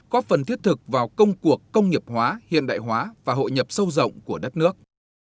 có phần thiết thực vào công cuộc công nghiệp hóa hiện đại hóa và hội nhập sâu rộng của đất nước